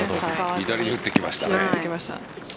左に打ってきましたね。